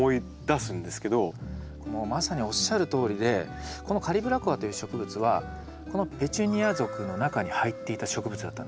もうまさにおっしゃるとおりでこのカリブラコアという植物はペチュニア属の中に入っていた植物だったんです。